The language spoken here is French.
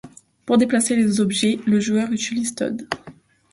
Pour déplacer les objets, le joueur utilise Toad.